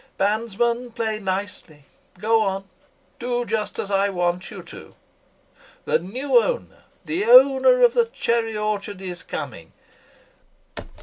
Bandsmen, play nicely! Go on, do just as I want you to! [Ironically] The new owner, the owner of the cherry orchard is coming!